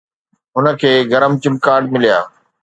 هن کي گرم چمڪاٽ مليا